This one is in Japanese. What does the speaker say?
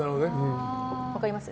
分かります？